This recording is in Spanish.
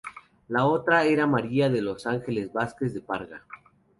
La otra era María de los Ángeles Vázquez de Parga.